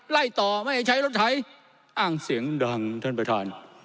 ไล่ต่อไม่ให้ใช้รถไถอ้างเสียงดังท่านประธาน